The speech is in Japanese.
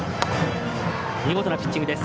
見事なピッチングです。